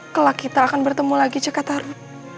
kelak kita akan bertemu lagi cekataru